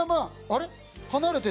あれ？